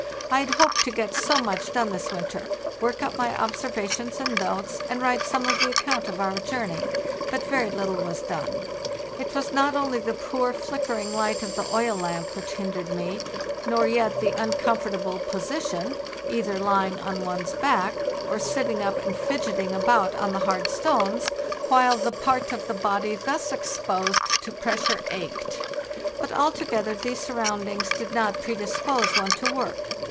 I had hoped to get so much done this winter—work up my observations and notes, and write some of the account of our journey; but very little was done. It was not only the poor, flickering light of the oil lamp which hindered me, nor yet the uncomfortable position—either lying on one's back, or sitting up and fidgeting about on the hard stones, while the part of the body thus exposed to pressure ached; but altogether these surroundings did not predispose one to: work.